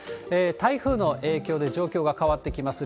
台風の影響で状況が変わってきます。